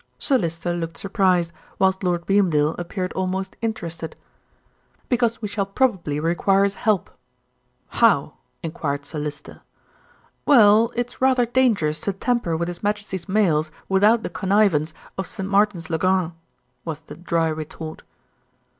Sir Lyster looked surprised, whilst Lord Beamdale appeared almost interested. "Because we shall probably require his help." "How?" enquired Sir Lyster. "Well, it's rather dangerous to tamper with His Majesty's mails without the connivance of St. Martins le Grand," was the dry retort.